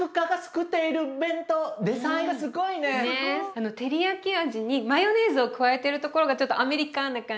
あのテリヤキ味にマヨネーズを加えてるところがちょっとアメリカンな感じで。